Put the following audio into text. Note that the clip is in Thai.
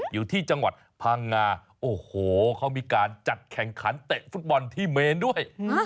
อยู่ที่จังหวัดพังงาโอ้โหเขามีการจัดแข่งขันเตะฟุตบอลที่เมนด้วย